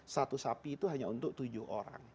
satu sapi itu hanya untuk tujuh orang